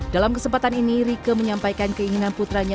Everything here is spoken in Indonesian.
dalam kesempatan ini rike menyampaikan keinginan putranya